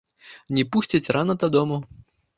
Не пусціць рана дадому.